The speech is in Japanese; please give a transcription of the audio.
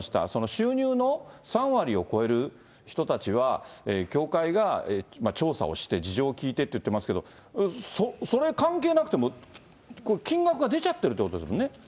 収入の３割を超える人たちは、教会が調査をして、事情を聞いてと言ってますけど、それ、関係なくてもこれ、金額が出ちゃってるということですもんね。